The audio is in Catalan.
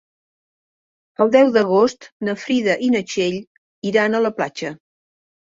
El deu d'agost na Frida i na Txell iran a la platja.